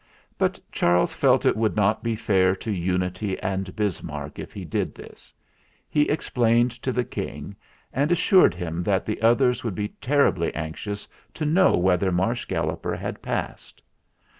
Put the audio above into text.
But Charles felt it would not be fair to Unity and Bismarck if he did this. He explained to the King, and assured him that the others would be terribly anxious to know whether Marsh Galloper had passed.